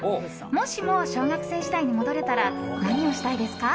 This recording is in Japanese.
もしも小学生時代に戻れたら何をしたいですか？